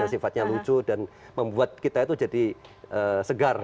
sifatnya lucu dan membuat kita itu jadi segar